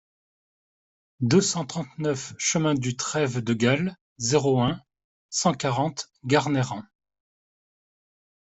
deux cent trente-neuf chemin du Trève de Galle, zéro un, cent quarante, Garnerans